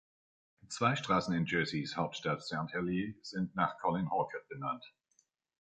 Zwei Straßen in Jerseys Hauptstadt Saint Helier sind nach Colin Halkett benannt.